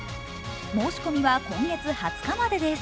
申し込みは今月２０日までです。